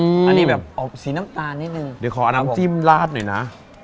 อันนี้แบบออกสีน้ำตาลนิดนึงเดี๋ยวขอเอาน้ำจิ้มลาดหน่อยนะ